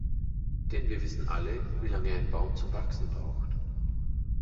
Denn wir wissen alle, wie lange ein Baum zum Wachsen braucht.